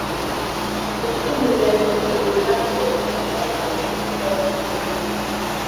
Magufuli ndio alikuwa chaguo langu la kwanza halafu nikaongeza na wengine